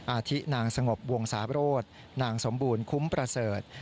อาทินางสงบวงสาโรธนางสมบูรณ์คุ้มประเสริฐ